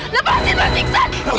lepaskan mas iksan